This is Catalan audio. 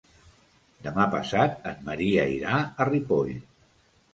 Demà passat en Maria irà a Ripoll.